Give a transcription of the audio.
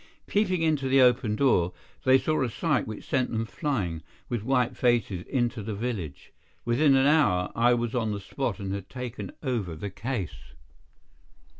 Peeping into the open door, they saw a sight which sent them flying, with white faces, into the village. Within an hour, I was on the spot and had taken over the case.